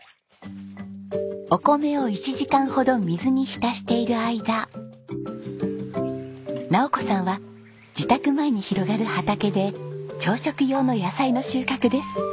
お米を１時間ほど水に浸している間尚子さんは自宅前に広がる畑で朝食用の野菜の収穫です。